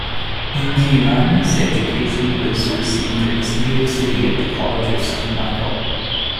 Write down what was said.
Inghirami's education was received in his native city at the College of Saint Michael.